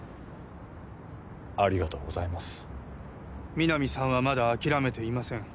ありがとうございます皆実さんはまだ諦めていません